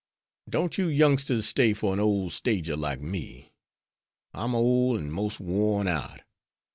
Don't you youngsters stay for an ole stager like me. I'm ole an' mos' worn out.